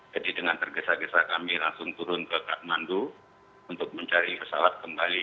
jadi dengan tergesa gesa kami langsung turun ke kathmandu untuk mencari pesawat kembali